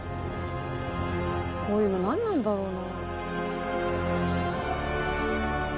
こういうの何なんだろうな。